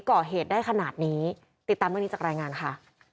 ก่อเหตุได้ขนาดนี้ติดตามเรื่องนี้จากรายงานค่ะ